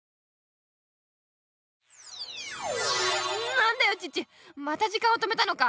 なんだよチッチまた時間を止めたのか。